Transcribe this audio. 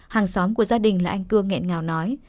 hàng xóm của gia đình là anh cư nghẹn ngào nói